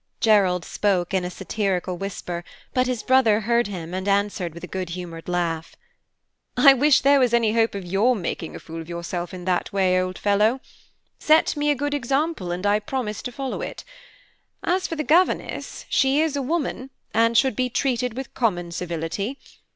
Gerald spoke in a satirical whisper, but his brother heard him and answered with a good humored laugh. "I wish there was any hope of your making a fool of yourself in that way, old fellow. Set me a good example, and I promise to follow it. As for the governess, she is a woman, and should be treated with common civility.